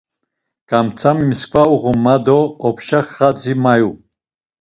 Ǩamtzami mskva uğun ma do opşa xadzi mayu.